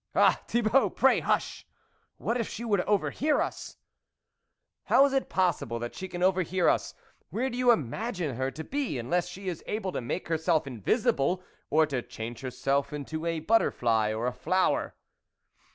" Ah, Thibault, pray hush ! what if she were to overhear us !"" How is it possible that she can over hear us ; where do you imagine her to be, unless she is able to make herself in visible, or to change herself into a butter fly or a flower